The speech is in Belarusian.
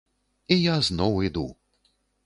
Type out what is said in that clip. І я зноў іду!